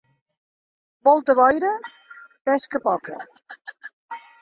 Molta boira, pesca poca.